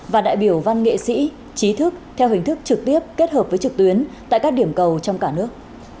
và đại biểu văn nghệ sĩ trí thức theo hình thức trực tiếp kết hợp với trực tuyến tại các điểm cầu trong cả nước